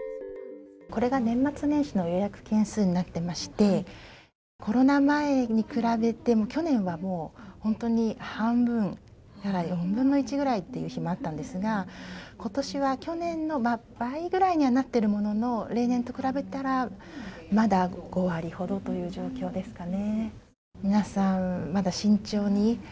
これが年末年始の予約件数になってましてコロナ前に比べても去年はもう本当に半分から４分の１ぐらいになってしまったんですが、今年は去年の倍ぐらいにはなっているものの、例年と比べたらまだ５割ほどという状況ですかね。